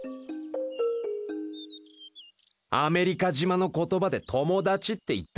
アメリカ島の言葉で「友達」って言ってるんだ。